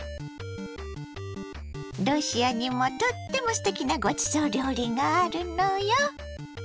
ロシアにもとってもすてきなごちそう料理があるのよ。